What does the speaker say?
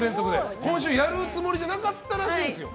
今週やるつもりじゃなかったらしいんですよ。